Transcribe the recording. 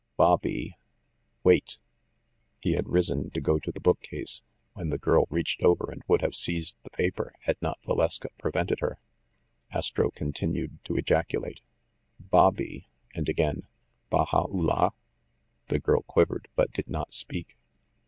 ... Babi ... Wait!" He had risen to go to the bookcase, when the girl reached over and would have seized the paper, had not Valeska prevented her. Astro turned to ejaculate: "Babi?" and again, "Baha Ullah?" The girl quivered ; but did not speak.